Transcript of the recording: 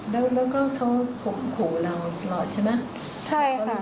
แล้วก็เขาคบของเราตลอดใช่ไหม